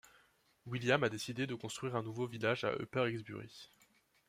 William a décidé de construire un nouveau village À Upper Exbury.